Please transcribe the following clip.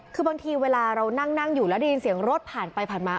คือบางทีเวลาเรานั่งอยู่แล้วได้ยินเสียงรถผ่านไปผ่านมา